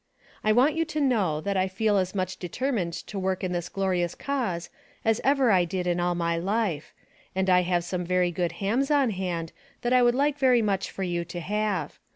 I want you to know, that I feel as much determined to work in this glorious cause, as ever I did in all of my life, and I have some very good hams on hand that I would like very much for you to have.